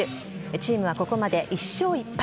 チームはここまで１勝１敗。